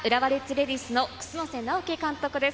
レディースの楠瀬直木監督です。